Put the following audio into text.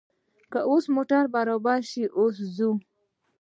که اوس موټر برابر شو، اوس ځو.